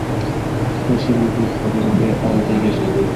শশী বুকি খবর পেয়ে আনতে গিয়েছিল?